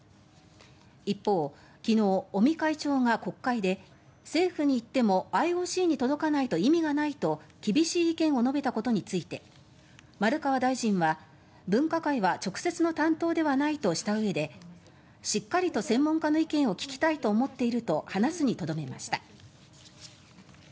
一方、昨日尾身会長が国会で政府に言ってもＩＯＣに届かないと意味がないと厳しい意見を述べたことについて丸川大臣は分科会は直接の担当ではないとしたうえでしっかりと専門家の意見を聞きたいと思っていると話すにとどめました。